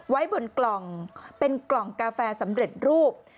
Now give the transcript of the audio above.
ไว้บนกล่องเป็นกล่องกาแฟสำเร็จรูป